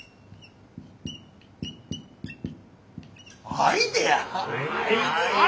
アイデア！？